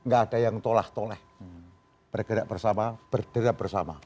gak ada yang toleh toleh bergerak bersama bergerak bersama